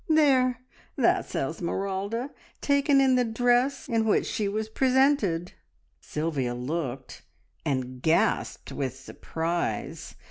"There, that's Esmeralda! Taken in the dress in which she was presented." Sylvia looked, and gasped with surprise.